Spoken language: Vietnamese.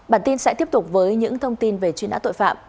bản tin sẽ tiếp tục với những thông tin về truy nã tội phạm